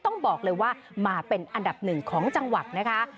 ต้องบอกเลยว่ามาเป็นอันดับหนึ่งของจังหวัดนะคะ